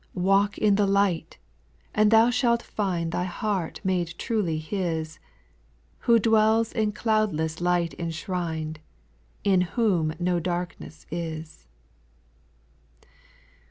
3. Walk in the light I and thou shalt find Thy heart made truly His, Who dwells in cloudless light enshrined, In whom no darkness is.